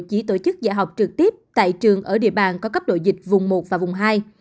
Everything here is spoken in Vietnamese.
chỉ tổ chức dạy học trực tiếp tại trường ở địa bàn có cấp độ dịch vùng một và vùng hai